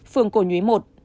phường cổ nhuế một